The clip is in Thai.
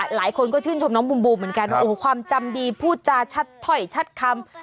หลายคนก็ชื่นชมน้องบูมบูมเหมือนกันว่าโอ้โหความจำดีพูดจาชัดถอยชัดคำ